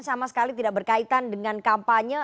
sama sekali tidak berkaitan dengan kampanye